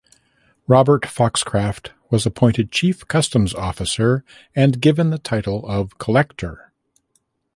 Robert Foxcroft was appointed chief customs officer and given the title of Collector.